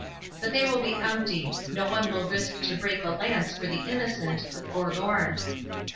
But they will be empty—no one will risk to break a lance for the innocent, the forlorn."